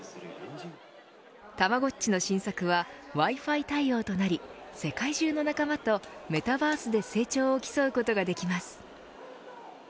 たまごっちの新作はＷｉ−Ｆｉ対応となり世界中の仲間とメタバースで成長を競うことができます。